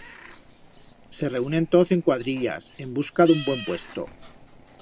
Se reúnen toz en cuadrillas, en busca d'un buen puesto.